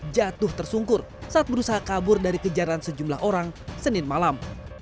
jatuh tersungkur saat berusaha kabur dari kejaran sejumlah orang senin malam